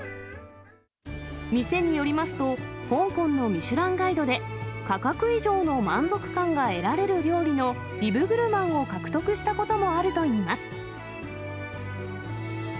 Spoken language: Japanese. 店によりますと、香港のミシュランガイドで、価格以上の満足感が得られる料理のビブグルマンを獲得したこともあるといいます。